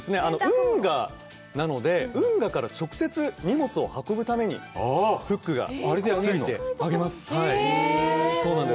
運河なので運河から直接荷物を運ぶためにフックが付いてあれで揚げるの？